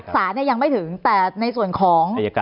สารยังไม่ถึงแต่ในส่วนของ